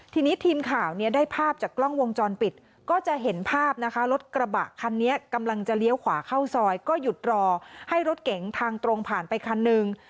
ทีนี้ทีมข่าวเนี่ยได้ภาพจากกล้องวงจรปิดก็จะเห็นภาพนะคะรถกระบะคันนี้กำลังจะเลี้ยวขวาเข้าซอยก็หยุดรอให้รถเก๋งทางตรงผ่านไปคันหนึ่ง